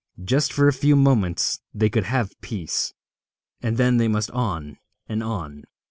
Just for a few moments they could have peace, and then they must on and on.